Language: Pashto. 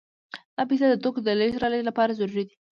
دا پیسې د توکو د لېږد رالېږد لپاره ضروري دي